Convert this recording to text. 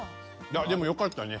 でもよかったね。